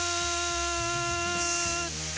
って